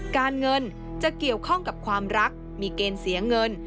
การเงินจะเกี่ยวข้องกับความรักมีเกณฑ์เสียเงิน